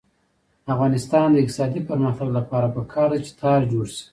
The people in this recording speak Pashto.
د افغانستان د اقتصادي پرمختګ لپاره پکار ده چې تار جوړ شي.